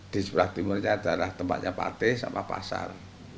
di sebelah timurnya adalah tempatnya pate sama pasar